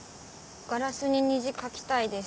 ガラスに虹描きたいです。